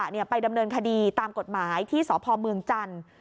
แล้วไปดำเนินคดีตามกฎหมายที่สพมจันทร์